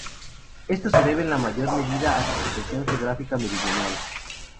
Esto se debe en mayor medida a su situación geográfica meridional.